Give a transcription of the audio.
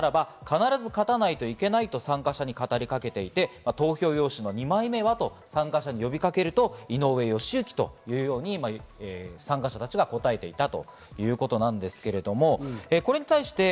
戦いをするならば、必ず勝たないといけないと参加者に語りかけていて、投票用紙の２枚目は？と参加者に呼びかけると、井上義行！というふうに参加者たちが答えていたということなんですけれども。